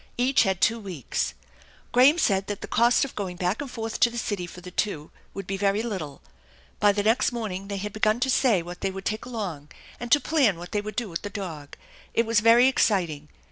Each had two weeks. Graham said that the cost of going back and forth to the city for the two would be very little. By the next morning they had begun to say what they would take along, and to plan what they would do with the dog. It was very exciting.